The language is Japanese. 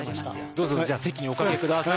どうぞじゃあ席におかけ下さい。